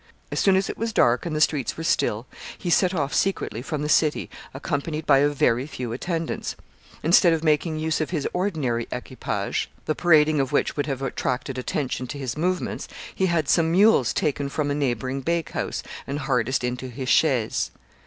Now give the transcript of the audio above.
As soon as it was dark and the streets were still, he set off secretly from the city, accompanied by a very few attendants. Instead of making use of his ordinary equipage, the parading of which would have attracted attention to his movements, he had some mules taken from a neighboring bake house, and harnessed into his chaise.